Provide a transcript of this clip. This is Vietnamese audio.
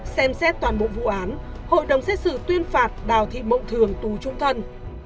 xem xét toàn bộ vụ án hội đồng xét xử tuyên phạt đào thị mộng thường tù trung thân